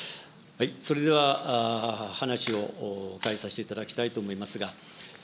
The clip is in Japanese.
それでは話を変えさせていただきたいと思いますが。